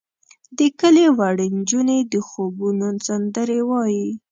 د کلي وړې نجونې د خوبونو سندرې وایې.